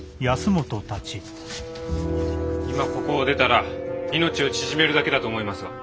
今ここを出たら命を縮めるだけだと思いますが。